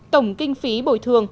tổng kinh phí bồi thường